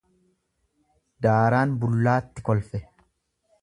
Daaraan bullaatti kolfe.